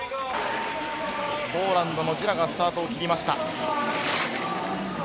ポーランドのジラがスタートを切りました。